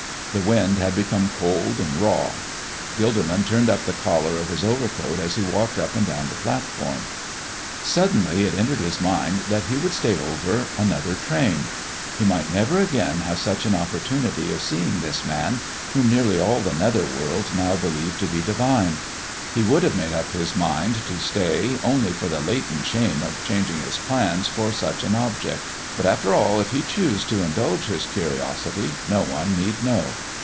The wind had become cold and raw. Gilderman turned up the collar of his overcoat as he walked up and down the platform. Suddenly it entered his mind that he would stay over another train. He might never again have such an opportunity of seeing this Man whom nearly all the nether world now believed to be divine. He would have made up his mind to stay only for the latent shame of changing his plans for such an object. But, after all, if he choose to indulge his curiosity no one need know.